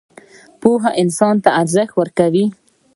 پوهه انسان ته ارزښت ورکوي